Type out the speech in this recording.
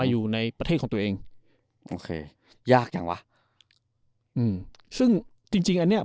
อยู่ในประเทศของตัวเองโอเคยากจังวะอืมซึ่งจริงจริงอันเนี้ย